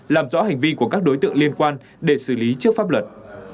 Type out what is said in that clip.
làm rõ hành vi của các đối tượng liên quan để xử lý trước pháp luật